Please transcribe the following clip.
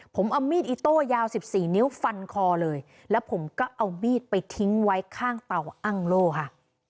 ผมเอามีดอิโต้ยาว๑๔นิ้วฟันคอเลยแล้วผมก็เอามีดไปทิ้งไว้ข้างเตาอ้างโล่ค่ะ